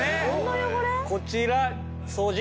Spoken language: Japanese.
こちら掃除